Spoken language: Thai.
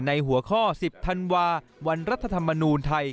หัวข้อ๑๐ธันวาวันรัฐธรรมนูลไทย